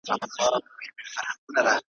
ستا لپاره بلېدمه ستا لپاره لمبه خورمه `